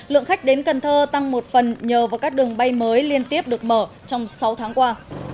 lượng khách đến cần thơ tăng một phần nhờ vào các đường bay mới liên tiếp được mở trong sáu tháng qua